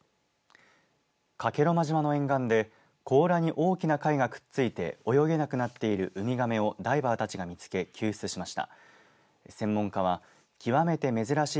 加計呂麻島の沿岸で甲羅に大きな貝がくっついて泳げなくなっているウミガメをダイバーたちが見つけ救出しました。